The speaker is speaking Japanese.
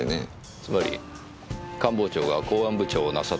つまり官房長が公安部長をなさっていた頃の部下。